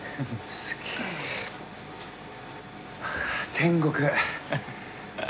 天国。